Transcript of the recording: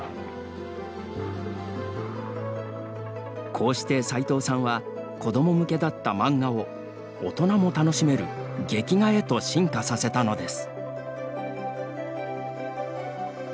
こうして、さいとうさんは子ども向けだった漫画を大人も楽しめる劇画へと進化させたのです。